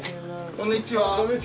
こんにちは。